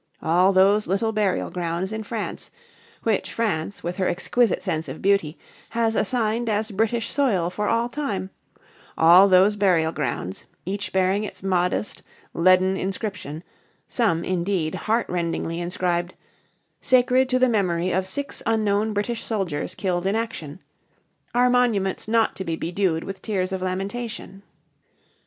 All those little burial grounds in France which France, with her exquisite sense of beauty, has assigned as British soil for all time all those burial grounds, each bearing its modest leaden inscription some, indeed, heart rendingly inscribed "Sacred to the memory of six unknown British soldiers killed in action" are monuments not to be bedewed with tears of lamentation.